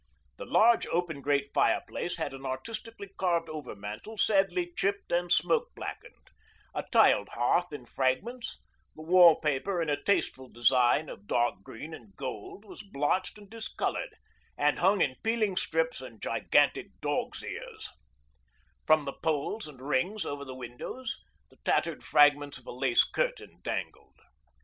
The large open grate fireplace had an artistically carved overmantel sadly chipped and smoke blackened, a tiled hearth in fragments; the wall paper in a tasteful design of dark green and gold was blotched and discoloured, and hung in peeling strips and gigantic 'dog's ears'; from the poles and rings over the windows the tattered fragments of a lace curtain dangled.